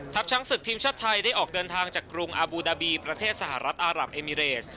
ช้างศึกทีมชาติไทยได้ออกเดินทางจากกรุงอาบูดาบีประเทศสหรัฐอารับเอมิเรส